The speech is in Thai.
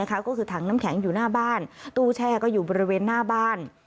ก็คือถังน้ำแข็งอยู่หน้าบ้านตู้แช่ก็อยู่บริเวณหน้าบ้าน